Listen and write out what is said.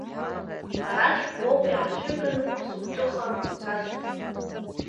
Бара аӡәк боуп иаацәырганы сыгәҭыха засҳәо…